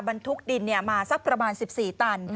บรรทุกดินมาสักประมาณ๑๔ตัน